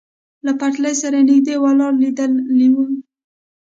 له پټلۍ سره نږدې ولاړ لیدلی وای.